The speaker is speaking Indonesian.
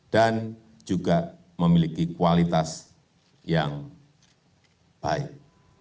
dan juga memiliki kualitas yang baik